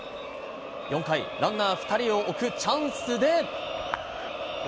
４回、ランナー２人を置くチャンスで。